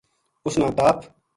اس نا تاپ